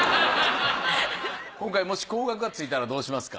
今回もし高額がついたらどうしますか？